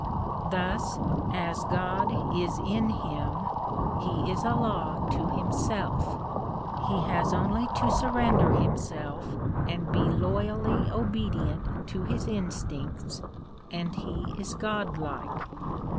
Thus, as God is in him he is a law to himself ; he has only to surrender himself and be loyally obedient to his instincts and he is God like.